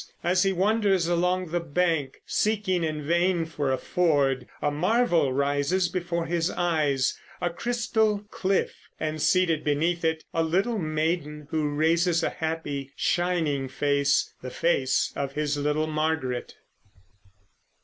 As he wanders along the bank, seeking in vain for a ford, a marvel rises before his eyes, a crystal cliff, and seated beneath it a little maiden who raises a happy, shining face, the face of his little Margaret.